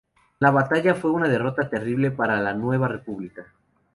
La batalla fue una derrota terrible para la Nueva República.